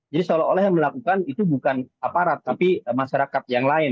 jadi seolah olah yang dilakukan itu bukan aparat tapi masyarakat yang lain